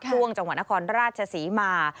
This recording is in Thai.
ตรวงจังหวานครราชสีมา